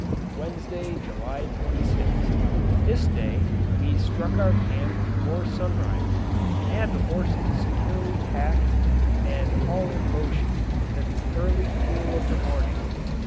Wednesday, July 26th. This day we struck our camp before sunrise, and had the horses securely packed and all in motion in the early cool of the morning.